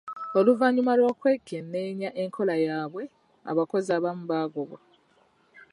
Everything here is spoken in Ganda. Oluvannyuma lw'okwekenneenya enkola yaabwe, abakozi abamu baagobwa.